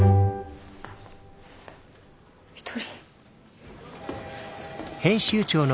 一人。